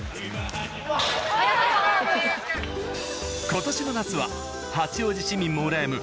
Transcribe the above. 今年の夏は八王子市民も羨む